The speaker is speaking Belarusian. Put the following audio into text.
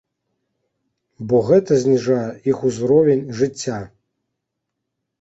Бо гэта зніжае іх узровень жыцця.